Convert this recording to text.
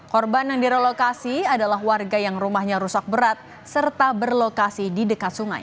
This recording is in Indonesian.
korban yang direlokasi adalah warga yang rumahnya rusak berat serta berlokasi di dekat sungai